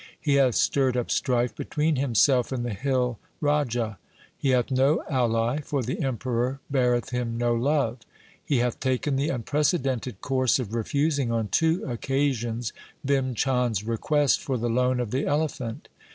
He hath stirred up strife between himself and the hill Raja. He hath no ally, for the Emperor beareth him no love. He hath taken the unprecedented course of refusing on two occasions Bhim Chand's request for the loan of the elephant.